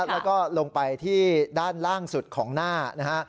แล้วก็ลงไปที่ด้านล่างสุดของหน้านะฮะ